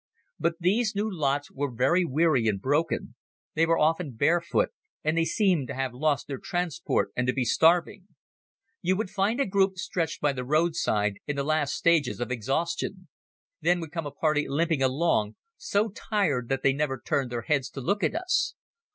But these new lots were very weary and broken; they were often barefoot, and they seemed to have lost their transport and to be starving. You would find a group stretched by the roadside in the last stages of exhaustion. Then would come a party limping along, so tired that they never turned their heads to look at us.